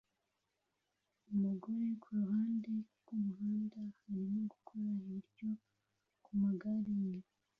Umugore kuruhande rwumuhanda arimo gukora ibiryo kumagare ye